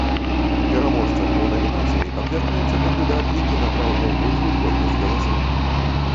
Пераможцам у намінацыі абвяшчаецца кандыдат, які набраў найбольшую колькасць галасоў.